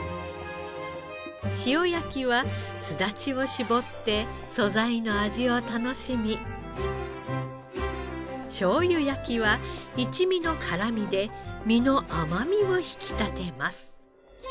塩焼きはすだちを搾って素材の味を楽しみしょうゆ焼きは一味の辛みで身の甘みを引き立てます。